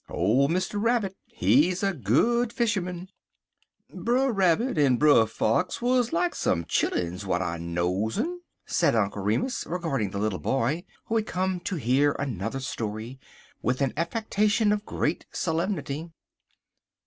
OLD MR. RABBIT, HE'S A GOOD FISHERMAN "BRER RABBIT en Brer Fox wuz like some chilluns w'at I knows un," said Uncle Remus, regarding the little boy, who had come to hear another story, with an affectation of great solemnity.